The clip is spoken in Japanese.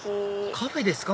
カフェですか？